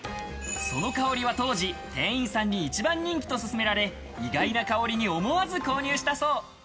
その香りは当時店員さんに一番人気と勧められ、意外な香りに思わず購入したそう。